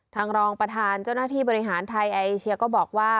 รองประธานเจ้าหน้าที่บริหารไทยเอเชียก็บอกว่า